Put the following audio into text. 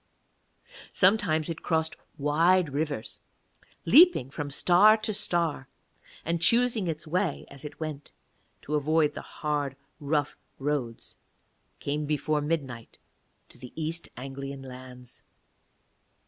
Sometimes it crossed wide rivers, leaping from star to star; and, choosing its way as it went, to avoid the hard rough roads, came before midnight to the East Anglian lands.